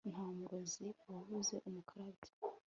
nta murozi wabuze umukarabya